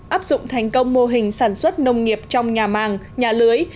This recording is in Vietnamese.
áp dụng thành công mô hình sản xuất nông nghiệp trong nhà màng nhà lưới